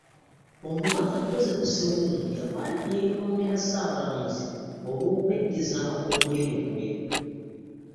Omubaka Joseph Ssewungu yavaayo ne yeetondera Ssaabalamuzi olw'okweddiza omulimu gwe.